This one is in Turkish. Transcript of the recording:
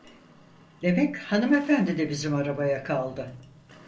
Demek hanımefendi de bizim arabaya kaldı.